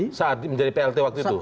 di saat menjadi plt waktu itu